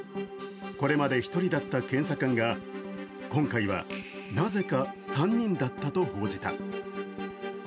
これまで１人だった検査官が今回なぜか３人だったと報じた。